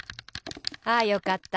あよかった。